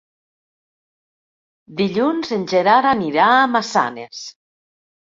Dilluns en Gerard anirà a Massanes.